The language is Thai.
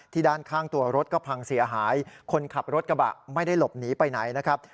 ด้านข้างตัวรถก็พังเสียหายคนขับรถกระบะไม่ได้หลบหนีไปไหนนะครับ